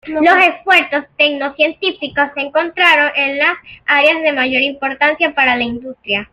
Los esfuerzos tecno-científicos se concentraron en las áreas de mayor importancia para la industria.